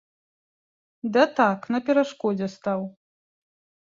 Да так, на перашкодзе стаў.